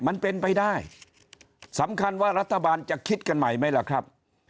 มันเป็นไปได้สำคัญว่ารัฐบาลจะคิดกันใหม่ไหมล่ะครับ